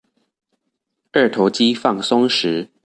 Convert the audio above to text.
二頭肌放鬆時